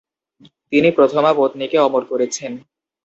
তিনি প্রথমা পত্নীকে অমর করেছেন।